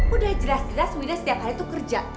udah jelas jelas wida setiap hari tuh kerja